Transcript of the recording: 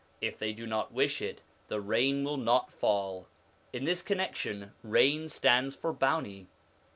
If they do not wish it, the rain will not fall : in this connection rain stands for bounty.